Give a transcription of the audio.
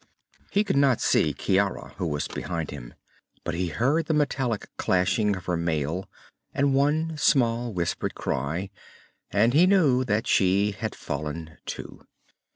He could not see Ciara, who was behind him, but he heard the metallic clashing of her mail and one small, whispered cry, and he knew that she had fallen, too.